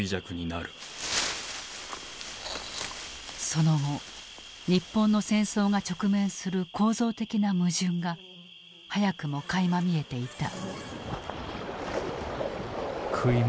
その後日本の戦争が直面する構造的な矛盾が早くもかいま見えていた。